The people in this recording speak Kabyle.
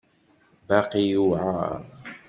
Baqi yewεer.